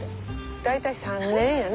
大体３年やね。